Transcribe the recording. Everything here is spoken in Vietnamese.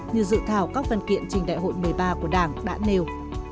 như dự thảo các văn kiện trình đại hội một mươi ba của đảng đã nêu